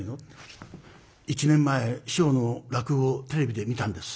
「１年前師匠の落語をテレビで見たんです。